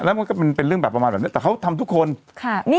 แล้วก็เป็นเรื่องประมาณแบบนี้แต่เขาทำทุกคน